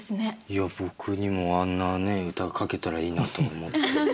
いや僕にもあんな歌書けたらいいなと思って。